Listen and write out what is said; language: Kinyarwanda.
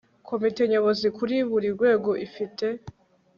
komite nyobozi kuri buri rwego ifite